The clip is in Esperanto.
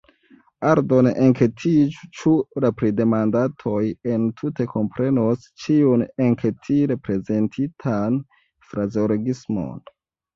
Aldone enketiĝu, ĉu la pridemandatoj entute komprenos ĉiun enketile prezentitan frazeologismon.